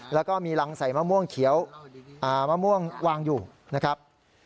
แล้วก็มีรังใส่มะม่วงเขียวมะม่วงวางอยู่นะครับ